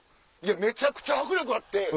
めちゃくちゃ迫力あって。